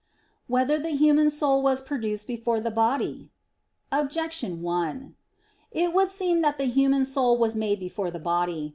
4] Whether the Human Soul Was Produced Before the Body? Objection 1: It would seem that the human soul was made before the body.